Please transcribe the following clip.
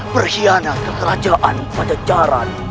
berkhianat ke kerajaan pancacaran